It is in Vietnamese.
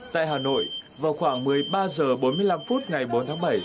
tại hà nội vào khoảng một mươi ba h bốn mươi năm phút ngày bốn tháng bảy